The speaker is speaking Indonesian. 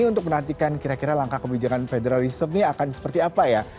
untuk menantikan kira kira langkah kebijakan federal reserve ini akan seperti apa ya